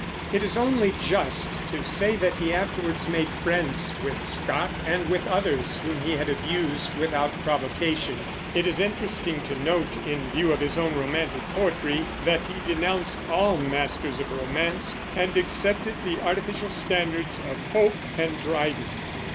It is only just to say that he afterwards made friends with Scott and with others whom he had abused without provocation; and it is interesting to note, in view of his own romantic poetry, that he denounced all masters of romance and accepted the artificial standards of Pope and Dryden.